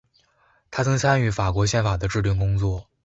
他曾参与法国宪法的制订工作。